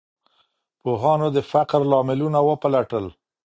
پوهانو د فقر لاملونه وپلټل.